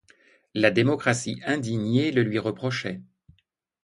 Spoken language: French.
La démocratie indignée le lui reprochait.